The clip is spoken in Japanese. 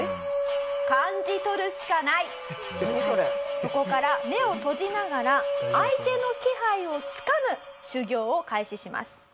そこから目を閉じながら相手の気配をつかむ修行を開始します。